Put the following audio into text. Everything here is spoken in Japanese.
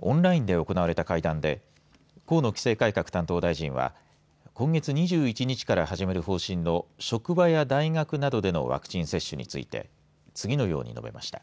オンラインで行われた会談で河野規制改革担当大臣は今月２１日から始まる方針の職場や大学などでのワクチン接種について次のように述べました。